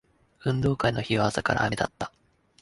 運動会の日は朝から雨だった